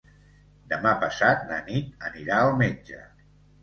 Demà passat na Nit anirà al metge.